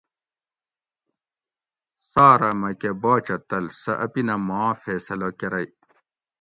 سارہ مکہ باچہ تل سہ اپینہ ماں فیصلہ کۤرئی